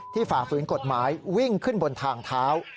ฝ่าฝืนกฎหมายวิ่งขึ้นบนทางเท้า